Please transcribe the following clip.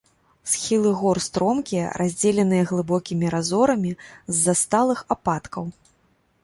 Схілы гор стромкія, раздзеленыя глыбокімі разорамі з-за сталых ападкаў.